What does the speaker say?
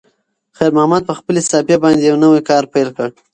خیر محمد په خپلې صافې باندې یو نوی کار پیل کړ.